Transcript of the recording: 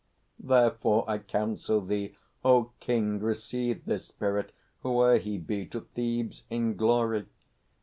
Therefore I counsel thee, O King, receive this Spirit, whoe'er he be, To Thebes in glory.